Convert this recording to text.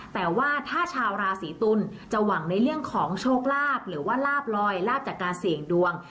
แต่ว่าถ้าชาวราศีตุลจะหวังในเรื่องของโชคลาภหรือว่าลาบลอยลาบจากการเสี่ยงดวง